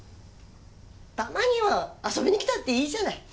たまには遊びにきたっていいじゃない。